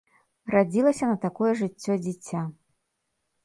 Радзілася на такое жыццё дзіця.